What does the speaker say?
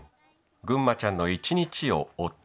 ぐんまちゃんの一日を追った。